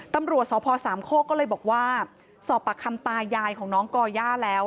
ตำรวจสพสามโคกก็เลยบอกว่าสอบปากคำตายายของน้องก่อย่าแล้ว